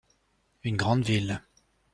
Une grande ville.